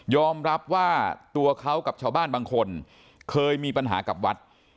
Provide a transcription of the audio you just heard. รับว่าตัวเขากับชาวบ้านบางคนเคยมีปัญหากับวัด